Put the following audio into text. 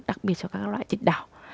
đặc biệt cho các loại thịt đảo